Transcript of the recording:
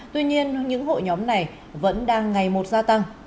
tuy nhiên những hội nhóm này vẫn đang ngày một gia tăng